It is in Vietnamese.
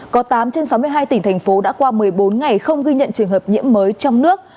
có tám trên sáu mươi hai tỉnh thành phố đã qua một mươi bốn ngày không ghi nhận trường hợp nhiễm mới trong nước